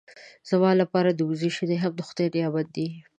زما لپاره د وزې شیدې هم د خدای نعمت دی.